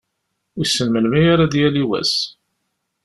Wissen melmi ara d-yali wass?